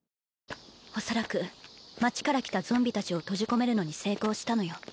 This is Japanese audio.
おそらく街から来たゾンビたちを閉じ込めるのに成功したのよ。